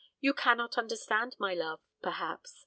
"You cannot understand my love, perhaps.